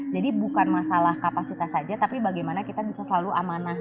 jadi bukan masalah kapasitas saja tapi bagaimana kita bisa selalu amanah